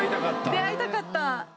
出会いたかった！